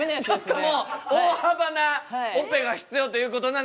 ちょっともう大幅なオペが必要ということなので。